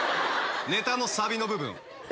ネタのサビの部分。